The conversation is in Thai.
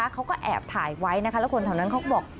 เขาก็แอบถ่ายไว้แล้วคนข้างนั้นเขาก็บอก